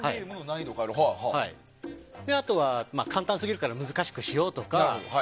あとは、簡単すぎるから難しくしようとか。